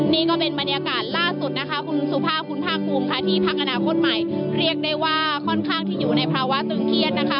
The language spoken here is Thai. นี่ก็เป็นบรรยากาศล่าสุดนะคะคุณสุภาพคุณภาคภูมิค่ะที่พักอนาคตใหม่เรียกได้ว่าค่อนข้างที่อยู่ในภาวะตึงเครียดนะคะ